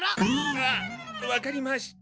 わっわかりました。